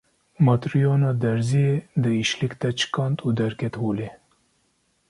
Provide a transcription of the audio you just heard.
Matryona derziyê di îşlik de çikand û derket holê.